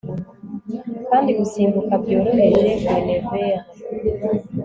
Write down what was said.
Kandi gusimbuka byoroheje Guenevere